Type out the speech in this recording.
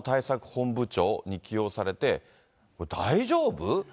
本部長に起用されて、大丈夫？